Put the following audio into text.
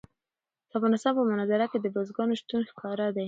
د افغانستان په منظره کې د بزګانو شتون ښکاره دی.